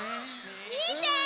みて！